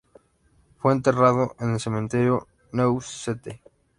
Fue enterrado en el Cementerio New St.